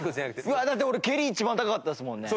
うわあだって俺蹴り一番高かったですもんね？